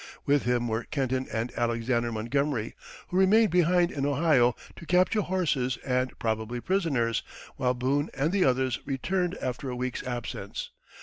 With him were Kenton and Alexander Montgomery, who remained behind in Ohio to capture horses and probably prisoners, while Boone and the others returned after a week's absence.